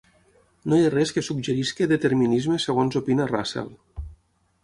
No hi ha res que suggereixi determinisme segons opina Russell.